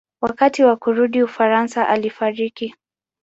Wakati wa kurudi Ufaransa alifariki.